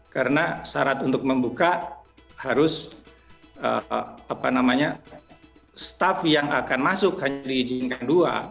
karena syarat untuk membuka harus staff yang akan masuk hanya diizinkan dua